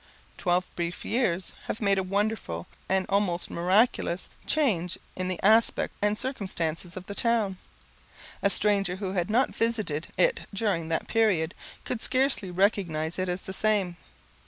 Twelve brief years have made a wonderful, an almost miraculous, change in the aspect and circumstances of the town. A stranger, who had not visited it during that period, could scarcely recognize it as the same.